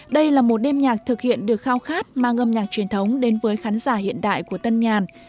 đây là một đêm nhạc thực hiện được khao khát mang âm nhạc truyền thống đến với khán giả hiện đại của tân nhàn